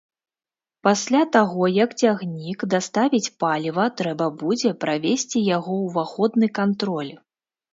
Пасля таго як цягнік даставіць паліва, трэба будзе правесці яго ўваходны кантроль.